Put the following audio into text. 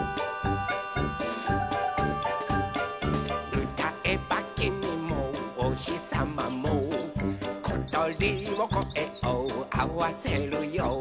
「うたえばきみもおひさまもことりもこえをあわせるよ」